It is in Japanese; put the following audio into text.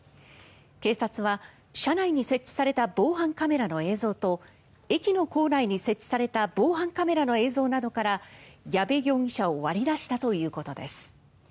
警察は車内に設置された防犯カメラの映像と駅の構内に設置された防犯カメラの映像などから矢部容疑者を割り出したということです。